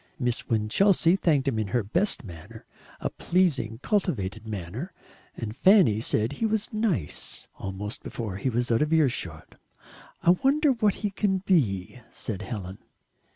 Miss Winchelsea thanked him in her best manner a pleasing, cultivated manner and Fanny said he was "nice" almost before he was out of earshot. "I wonder what he can be," said Helen.